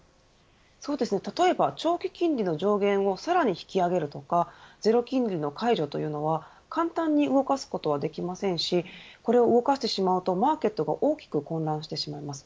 例えば長期金利の上限をさらに引き上げるとかゼロ金利の解除というのは簡単に動かすことはできませんしこれを動かしてしまうとマーケットが大きく混乱してしまいます。